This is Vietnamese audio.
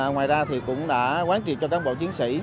ngoài ra thì cũng đã quán triệt cho cán bộ chiến sĩ